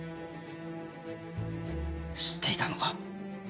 知っていたのか？